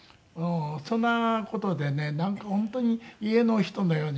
そんな事でねなんか本当に家の人のように思って。